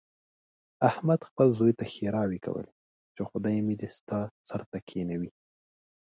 احمد خپل زوی ته ښېراوې کولې، چې خدای مې دې ستا سر ته کېنوي.